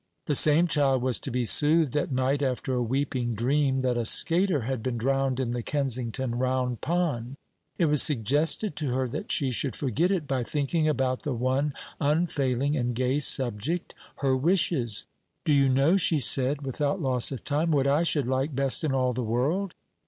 The same child was to be soothed at night after a weeping dream that a skater had been drowned in the Kensington Round Pond. It was suggested to her that she should forget it by thinking about the one unfailing and gay subject her wishes. "Do you know," she said, without loss of time, "what I should like best in all the world?